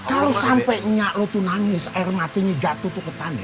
kalau sampe minyak lu tuh nangis air matinya jatuh tuh ke tanah ya